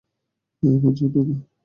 আমার জন্য না।